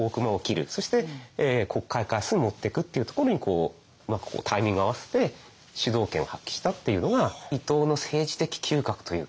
そして国会開設に持ってくっていうところにうまくタイミングを合わせて主導権を発揮したっていうのが伊藤の政治的嗅覚というか。